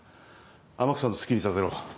天草の好きにさせろ。